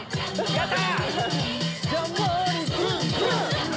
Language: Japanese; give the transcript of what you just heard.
やった！